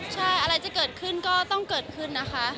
ใช่อะไรจะเกิดขึ้นก็ต้องเกิดขึ้นนะคะ